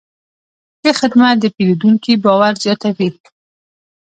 ښه خدمت د پیرودونکي باور زیاتوي.